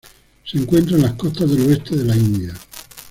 Se encuentran en las costas del oeste de la India.